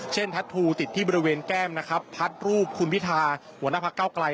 เช่นทัททูติดที่บริเวณแก้มพัดรูปคุณพิทาหัวหน้าพักเก้าไกร